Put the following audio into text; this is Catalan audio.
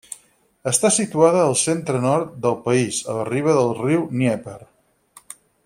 Està situada al centre-nord del país, a la riba del riu Dnièper.